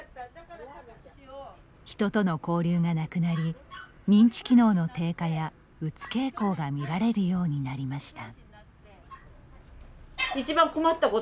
人との交流がなくなり認知機能の低下やうつ傾向が見られるようになりました。